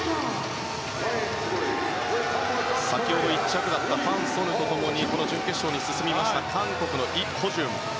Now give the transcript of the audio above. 先ほど１着だったファン・ソヌと共にこの準決勝に進みました韓国、イ・ホジュン。